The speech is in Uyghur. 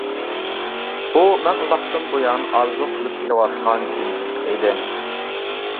بۇ مەن ئۇزاقتىن بۇيان ئارزۇ قىلىپ كېلىۋاتقان جىمجىتلىق ئىدى.